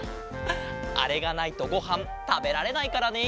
あれがないとごはんたべられないからね。